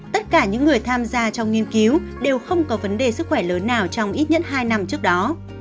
tất cả những người tham gia trong nghiên cứu đều không có vấn đề sức khỏe lớn nào trong ít nhất hai năm trước đó